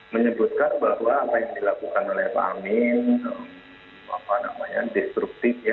menyebutkan bahwa apa yang dilakukan oleh pak amin destruktif ya